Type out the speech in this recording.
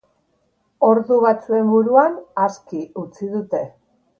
Ordu batzuen buruan aske utzi dute.